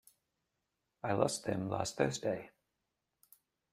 I lost them last Thursday.